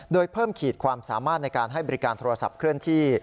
โดยเพิ่มขีดความสามารถในการให้บริการโทรศัพท์เคลื่อนที่